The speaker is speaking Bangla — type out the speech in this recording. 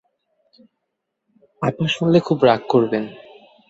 আপা শুনলে খুব রাগ করবেন।